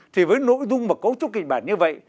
thì với nội dung và cấu trúc kịch bản như vậy